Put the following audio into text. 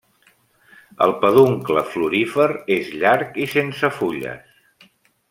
El peduncle florífer és llarg i sense fulles.